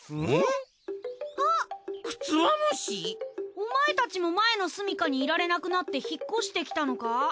お前たちも前の住みかにいられなくなって引っ越してきたのか？